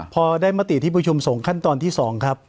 พอได้มติที่ประชุมส่งขั้นตอนที่๒ครับ